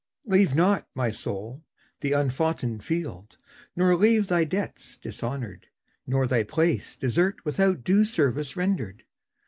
Leave not, my soul, the unfoughten field, nor leave Thy debts dishonoured, nor thy place desert Without due service rendered.